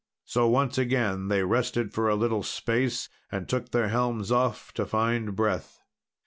So once again they rested for a little space, and took their helms off to find breath.